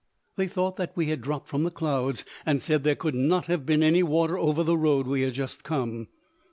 They thought that we had dropped from the clouds, and said there could not have been any water over the road we had just come.